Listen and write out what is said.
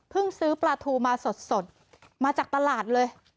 ซื้อปลาทูมาสดมาจากตลาดเลย